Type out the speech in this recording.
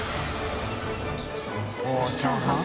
舛チャーハン？